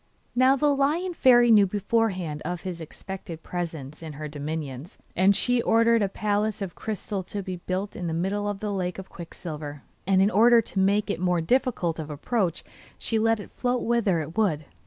Now the Lion Fairy knew beforehand of his expected presence in her dominions, and she ordered a palace of crystal to be built in the middle of the lake of quicksilver; and in order to make it more difficult of approach she let it float whither it would.